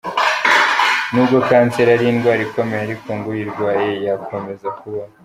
Nubwo Kanseri ari indwara ikomeye ariko ngo uyirwaye yakomeza kubaho.